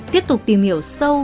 tiếp tục tìm hiểu sâu